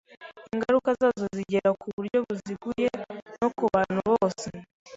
ingaruka zazo zigera ku buryo buziguye no ku bantu bose.